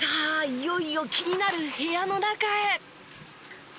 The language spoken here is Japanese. いよいよ気になる部屋の中へ。